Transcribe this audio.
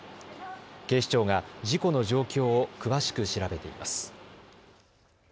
警視庁が事故の状況を詳しく調べています。